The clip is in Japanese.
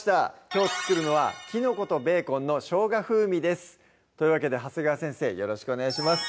きょう作るのは「きのことベーコンの生姜風味」ですというわけで長谷川先生よろしくお願いします